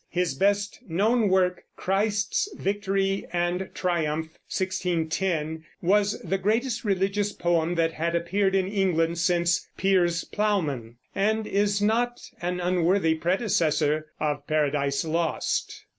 His best known work, "Christ's Victory and Triumph" (1610), was the greatest religious poem that had appeared in England since "Piers Plowman," and is not an unworthy predecessor of Paradise Lost.